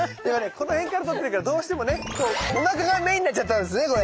この辺から撮ってるからどうしてもねおなかがメインになっちゃったんですねこれ。